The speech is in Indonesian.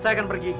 saya akan pergi